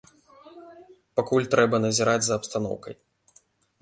Пакуль трэба назіраць за абстаноўкай.